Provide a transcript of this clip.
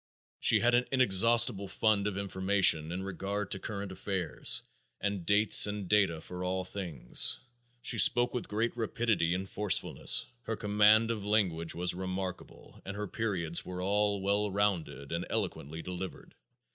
She had an inexhaustible fund of information in regard to current affairs, and dates and data for all things. She spoke with great rapidity and forcefulness; her command of language was remarkable and her periods were all well rounded and eloquently delivered.